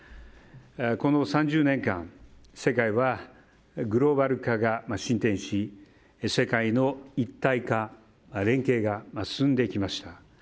この３０年間世界はグローバル化が進展し世界の一体化、連携が進んできました。